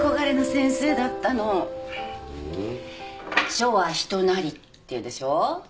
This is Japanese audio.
「書は人なり」っていうでしょう。